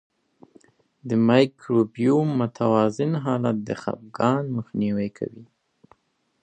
د مایکروبیوم متوازن حالت د خپګان مخنیوی کوي.